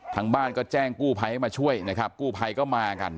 ทั้งบ้านก็แจ้งกู่ไพมาช่วยนะครับกู่ไพก็มากัน